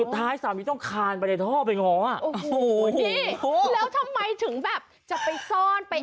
ถามว่าแอดทำไม